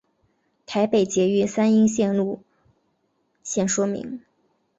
台北捷运三莺线路线说明